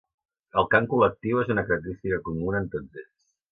El cant col·lectiu és una característica comuna en tots ells.